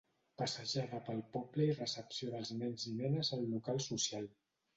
Passejada pel poble i recepció dels nens i nenes al Local Social.